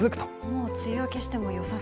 もう梅雨明けしてもよさ